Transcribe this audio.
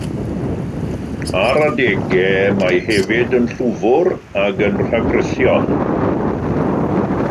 Ar adegau, mae hefyd yn llwfr ac yn rhagrithiol.